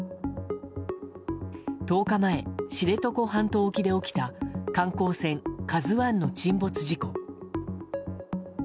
１０日前、知床半島沖で起きた観光船「ＫＡＺＵ１」の沈没事故。